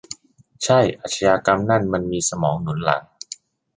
ใช่ อาชญากรรมนั่นมีมันสมองหนุนหลัง